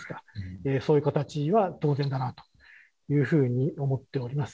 でそういう形は当然だなというふうに思っております。